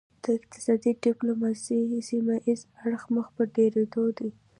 د اقتصادي ډیپلوماسي سیمه ایز اړخ مخ په ډیریدو دی